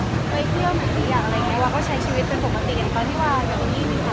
ตั้งแต่มีความรู้สึกมานะ